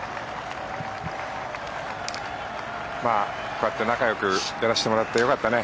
こうやって仲よくやらせてもらえてよかったね。